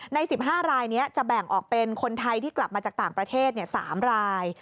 ใน๑๕รายนี้จะแบ่งออกเป็นคนไทยที่กลับมาจากต่างประเทศ๓ราย